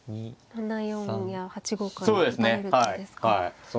７四や８五から打たれる手ですか。